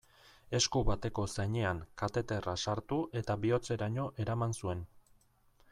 Esku bateko zainean kateterra sartu eta bihotzeraino eraman zuen.